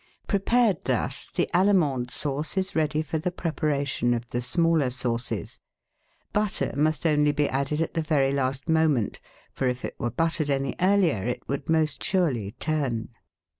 Prepared thus, the Allemande Sauce is ready for the prepara tion of the smaller sauces. Butter must only be added at the very last moment, for if it were buttered any earlier it would most surely turn.